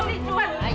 ampun t dewi